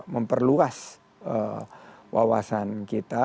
memperluas wawasan kita